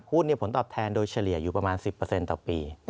ผลตอบแทนโดยเฉลี่ยอยู่ประมาณ๑๐ต่อปี